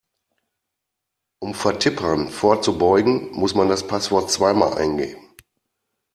Um Vertippern vorzubeugen, muss man das Passwort zweimal eingeben.